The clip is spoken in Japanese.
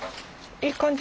いい感じ？